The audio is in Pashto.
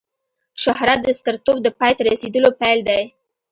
شهرت د سترتوب د پای ته رسېدلو پیل دی.